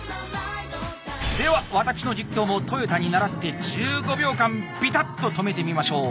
では私の実況も豊田に倣って１５秒間ビタッと止めてみましょう。